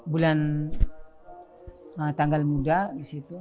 bulan tanggal muda disitu